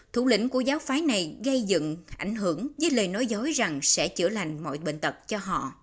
thủ lĩnh của giáo phái này gây dựng ảnh hưởng với lời nói dối rằng sẽ chữa lành mọi bệnh tật cho họ